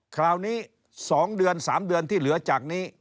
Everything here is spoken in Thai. คราวนี้๒เดือน๓เดือนที่เหลือจากนี้